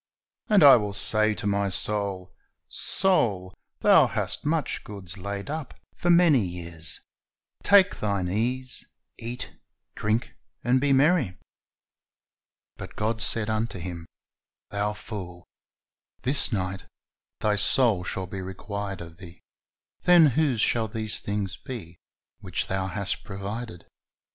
And I will say to my soul, Soul, thou hast much goods laid up 256 Chris t^s Object Lessons for many years; take thine ease, eat, drink, and be merry. But God said unto him, Thou fool, this ni<jht thy soul shall be required of thee: then whose shall these things be, which thou hast provided?